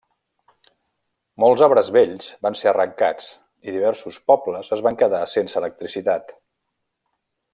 Molts arbres vells van ser arrencats i diversos pobles es van quedar sense electricitat.